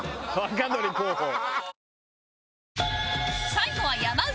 最後は山内。